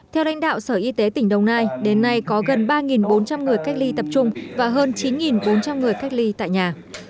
theo đánh đạo sở y tế tỉnh đồng nai đến nay có gần ba bốn trăm linh người cách ly tập trung và hơn chín bốn trăm linh người cách ly tại nhà